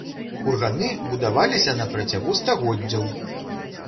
Курганы будаваліся на працягу стагоддзяў.